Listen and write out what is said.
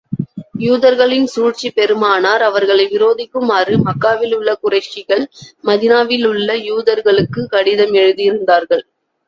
யூதர்களின் சூழ்ச்சி பெருமானார் அவர்களை விரோதிக்குமாறு, மக்காவிலுள்ள குறைஷிகள் மதீனாவிலுள்ள யூதர்களுக்குக் கடிதம் எழுதியிருந்தார்கள்.